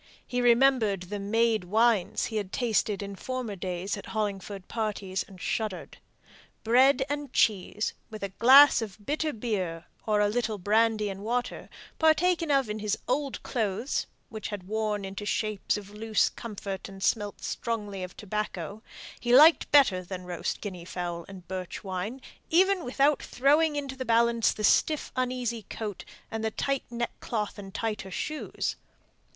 He remembered the made wines he had tasted in former days at Hollingford parties, and shuddered. Bread and cheese, with a glass of bitter beer, or a little brandy and water, partaken of in his old clothes (which had worn into shapes of loose comfort, and smelt strongly of tobacco), he liked better than roast guinea fowl and birch wine, even without throwing into the balance the stiff uneasy coat, and the tight neckcloth and tighter shoes.